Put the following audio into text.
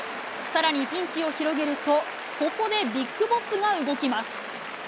さらにピンチを広げると、ここでＢＩＧＢＯＳＳが動きます。